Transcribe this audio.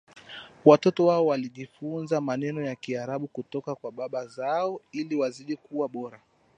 Watoto wao walijifunza maneno ya Kiarabu kutoka kwa baba zao ili wazidi kuwa Bora